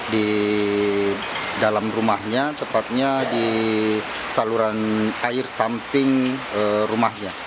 di dalam rumahnya tepatnya di saluran air samping rumahnya